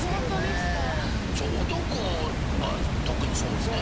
男は特にそうよね。